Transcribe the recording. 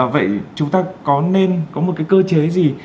vậy chúng ta có nên có một cái cơ chế gì